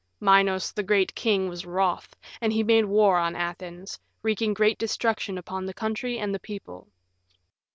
Minos, the great king, was wroth, and he made war on Athens, wreaking great destruction upon the country and the people.